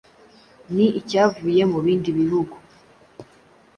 Ni icyavuye mu bindi bihugu